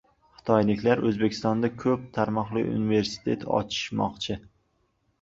Xitoyliklar oʻzbekistonda koʻp tarmoqli universitet ochishmoqchi.